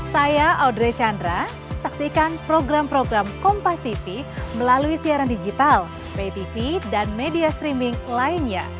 saya audrey chandra saksikan program program kompativ melalui siaran digital pay tv dan media streaming lainnya